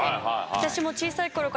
私も。